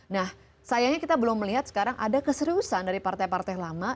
nah sayangnya kita belum melihat sekarang ada keseriusan dari partai partai lama